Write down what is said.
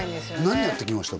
何やってきました？